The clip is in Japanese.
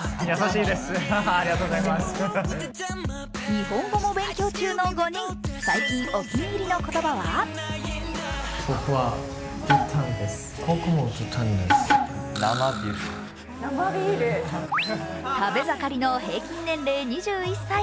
日本語も勉強中の５人、最近お気に入りの言葉は食べ盛りの平均年齢２１歳。